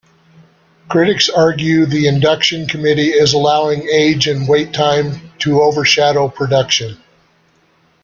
Critics argue the induction committee is allowing age and wait time to overshadow production.